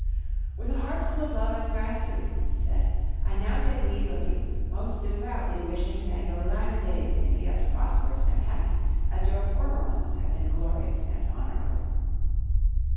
"With a heart full of love and gratitude," he said, "I now take leave of you, most devoutly wishing that your latter days may be as prosperous and happy as your former ones have been glorious and honourable."